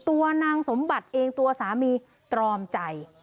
ตัวนางสมบัติเองตัวสามีตรอมใจ